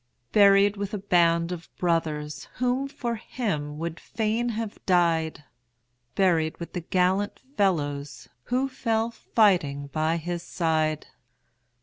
"] Buried with a band of brothers, Whom for him would fain have died; Buried with the gallant fellows Who fell fighting by his side.